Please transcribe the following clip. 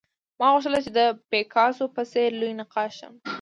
ما غوښتل چې د پیکاسو په څېر لوی نقاش شم